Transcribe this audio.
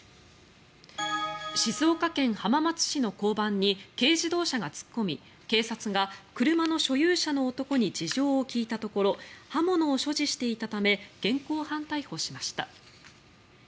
静岡県浜松市の交番に軽自動車が突っ込み警察が車の所有者の男に事情を聴いたところ刃物を所持していたため現行犯逮捕しました。